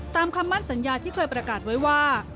คำมั่นสัญญาที่เคยประกาศไว้ว่า